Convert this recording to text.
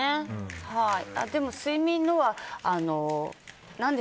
でも、睡眠のは。